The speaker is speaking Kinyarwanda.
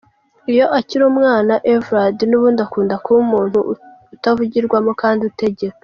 Iyo akiri umwana, Évrard n’ubundi akunda kuba umuntu utavugirwamo kandi utegeka.